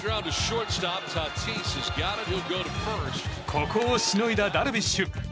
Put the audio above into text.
ここをしのいだダルビッシュ。